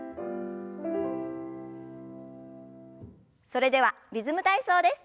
それでは「リズム体操」です。